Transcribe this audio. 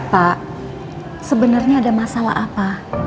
pak sebenarnya ada masalah apa